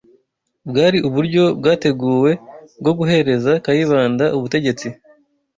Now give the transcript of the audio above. bwari uburyo bwateguwe bwo guhereza Kayibanda ubutegetsi